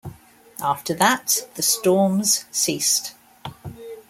After that, the storms ceased.